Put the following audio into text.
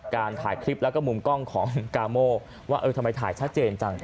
การถ่ายคลิปแล้วก็มุมกล้องของกาโม่ว่าเออทำไมถ่ายชัดเจนจัง